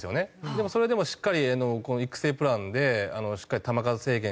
でもそれでもしっかりこの育成プランでしっかり球数制限